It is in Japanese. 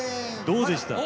どうでした？